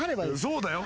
そうだよ。